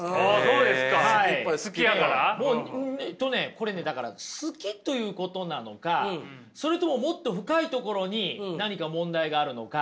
これねだから好きということなのかそれとももっと深いところに何か問題があるのか。